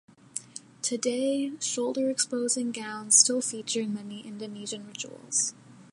Today, shoulder-exposing gowns still feature in many Indonesian rituals.